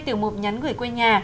tiểu mục nhắn gửi quê nhà